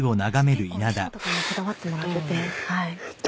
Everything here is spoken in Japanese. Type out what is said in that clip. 結構衣装とかもこだわってもらってて。